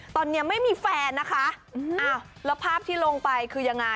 ตอนนี้ไม่มีแฟนนะคะอ้าวแล้วภาพที่ลงไปคือยังไง